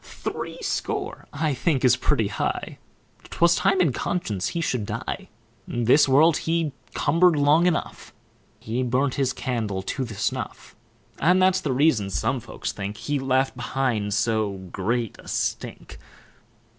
Threescore, I think, is pretty high; 'Twas time in conscience he should die. This world he cumber'd long enough; He burnt his candle to the snuff; And that's the reason, some folks think, He left behind so great a stink.